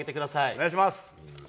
お願いします。